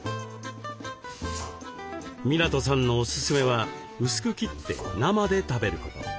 湊さんのおすすめは薄く切って生で食べること。